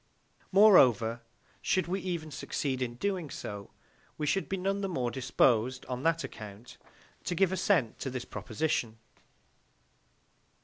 Moreover, should we even succeed in doing so, we should be none the more disposed, on that account, to give assent to this proposition.